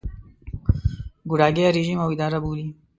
ګوډاګی رژیم او اداره بولي.